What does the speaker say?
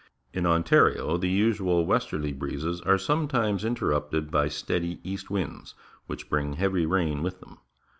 In Ontario the usual westerly breezes are sometimes interrupted by steady east winds, which bring heavy rain with them.